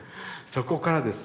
そこからです